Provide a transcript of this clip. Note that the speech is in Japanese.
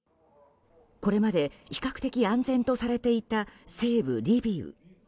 これまで比較的安全とされていた西部リビウ。